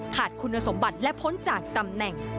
ขาดคุณสมบัติและพ้นจากตำแหน่ง